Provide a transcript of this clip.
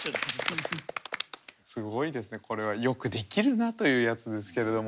すごいですねこれは。よくできるなというやつですけれども。